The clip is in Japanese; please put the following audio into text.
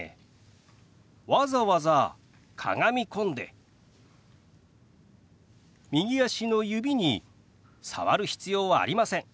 わざわざかがみ込んで右足の指に触る必要はありません。